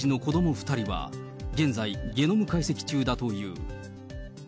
２人は現在、ゲノム解析中だという。